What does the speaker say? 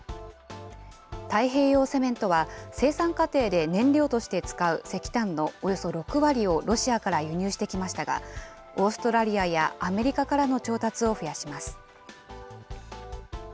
太平洋セメントは、生産過程で燃料として使う石炭のおよそ６割をロシアから輸入してきましたが、オーストラリアやアメリカからの調達を増やします。